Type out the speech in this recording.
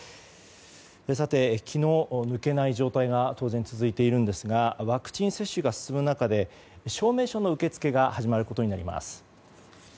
さて、気の抜けない状態が当然続いているんですがワクチン接種が進む中で証明書の受け付けが始まることになります。